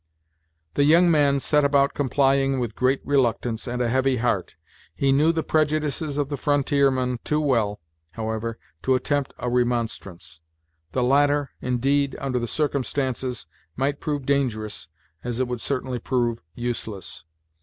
The young man set about complying with great reluctance and a heavy heart. He knew the prejudices of the frontiermen too well, however, to attempt a remonstrance. The latter, indeed, under the circumstances, might prove dangerous, as it would certainly prove useless.